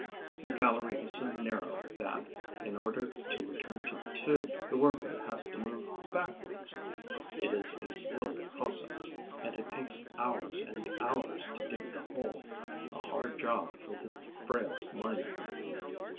The gallery is so narrow that, in order to return to the tube, the worker has to move backwards. It is a slow process; and it takes hours and hours to dig the hole, a hard job for the frail miner.